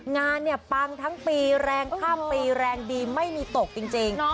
งานเนี่ยปังทั้งปีแรงข้ามปีแรงดีไม่มีตกจริง